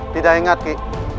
tidak ingat ki